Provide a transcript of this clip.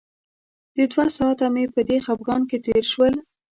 د دوه ساعته مې په دې خپګان کې تېر شول.